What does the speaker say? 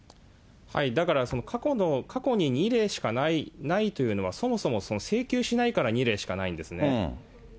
だから、過去に２例しかないというのは、そもそも請求しないから、２例しかないんですね。